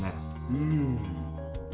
うん。